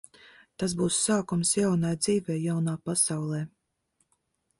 Tas būs sākums jaunai dzīvei jaunā pasaulē.